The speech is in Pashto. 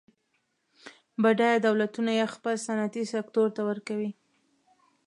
بډایه دولتونه یې خپل صنعتي سکتور ته ورکوي.